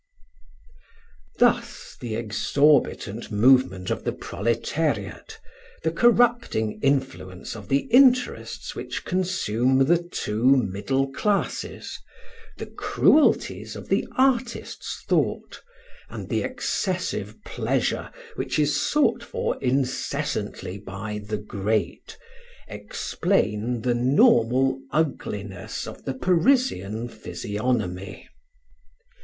Thus the exorbitant movement of the proletariat, the corrupting influence of the interests which consume the two middle classes, the cruelties of the artist's thought, and the excessive pleasure which is sought for incessantly by the great, explain the normal ugliness of the Parisian physiognomy.